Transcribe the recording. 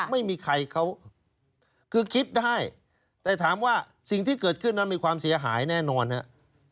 ไม่มีใครเขาคือคิดได้แต่ถามว่าสิ่งที่เกิดขึ้นนั้นมีความเสียหายแน่นอนครับ